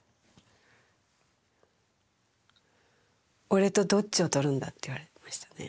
俺とどっちを取るんだって言われましたね